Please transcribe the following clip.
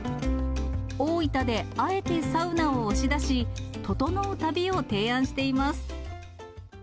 大分であえてサウナを押し出し、ととのう旅を提案しています。